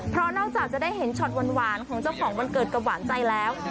เพราะนอกจากจะได้เห็นช็อตหวานของเจ้าของวันเกิดกับหวานใจแล้ว